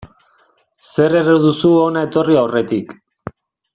Zer erre duzu hona etorri aurretik.